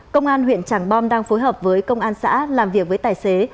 công an huyện trảng bom đang phối hợp với công an xã làm việc với tài xế